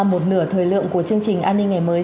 một nửa thời lượng của chương trình an ninh ngày mới